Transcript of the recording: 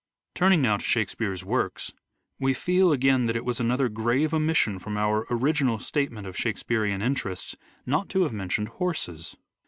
Turning now to Shakespeare's works we feel again that it was another grave omission from our original statement of Shakespearean interests not to have mentioned horses.